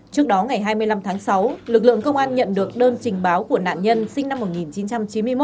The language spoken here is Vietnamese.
trước đó ngày hai mươi năm tháng sáu lực lượng công an nhận được đơn trình báo của nạn nhân sinh năm một nghìn chín trăm chín mươi một